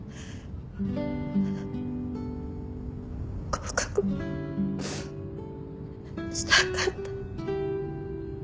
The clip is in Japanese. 合格したかった。